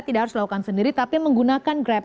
tidak harus lakukan sendiri tapi menggunakan grab